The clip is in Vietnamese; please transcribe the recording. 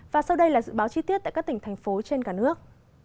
và sau đây là dự báo chi tiết tại các tỉnh thành phố trên cả nước